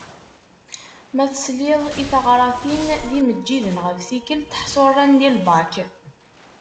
Ma tesliḍ i taɣratin d yimeǧǧiden ɣef tikelt ḥṣu rran-d i lbak.